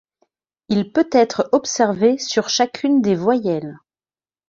Il peut être observé sur chacune des voyelles.